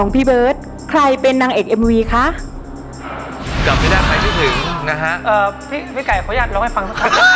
พี่ไก่ขออนุญาตรงนี้ให้ร้องให้ฟังสักครั้ง